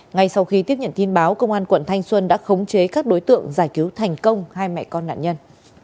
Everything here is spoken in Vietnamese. ngay sau khi tiếp nhận tin báo công an quận thanh xuân đã khống chế các đối tượng giải cứu thành công hai mẹ con nạn nhân